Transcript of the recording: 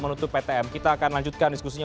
menutup ptm kita akan lanjutkan diskusinya